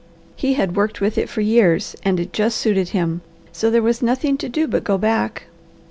He had worked with it for years and it just suited him, so there was nothing to do but go back.